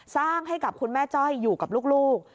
สร้างให้กับคุณแม่จ้อยอยู่กับลูก